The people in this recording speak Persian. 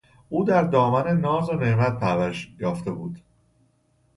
او در دامن ناز و نعمت پرورش یافته بود.